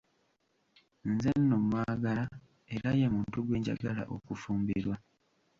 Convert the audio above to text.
Nze nno mwagala era ye muntu gwe njagala okufumbirwa.